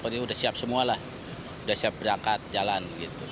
sudah siap semua lah sudah siap berangkat jalan